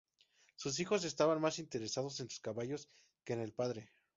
Sus hijos estaban más interesados en sus caballos que en el padre.